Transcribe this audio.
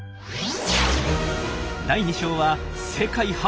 第２章は世界初！